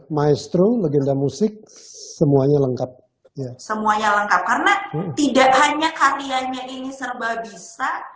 maestro legenda musik semuanya lengkap semuanya lengkap karena tidak hanya karyanya ini serba bisa